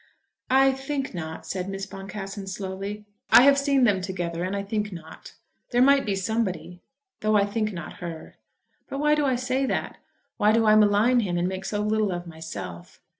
"I think not," said Miss Boncassen slowly. "I have seen them together and I think not. There might be somebody, though I think not her. But why do I say that? Why do I malign him, and make so little of myself?